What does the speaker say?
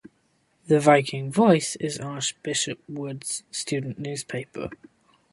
The Viking Voice is Archbishop Wood's student newspaper.